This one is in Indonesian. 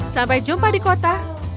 sampai jumpa di kota